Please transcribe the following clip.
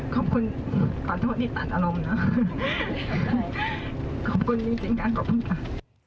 ขอบคุณขอโทษที่ตัดอารมณ์นะขอบคุณจริงค่ะขอบคุณค่ะ